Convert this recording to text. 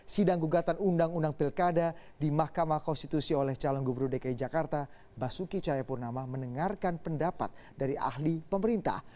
sidang gugatan undang undang pilkada di mahkamah konstitusi oleh calon gubernur dki jakarta basuki cahayapurnama mendengarkan pendapat dari ahli pemerintah